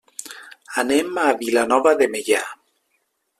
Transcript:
Anem a Vilanova de Meià.